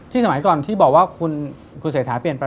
สมัยก่อนที่บอกว่าคุณเศรษฐาเปลี่ยนไป